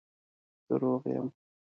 زه روغ یم